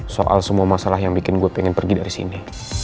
soal semua masalah yang bikin gue pengen pergi dari sini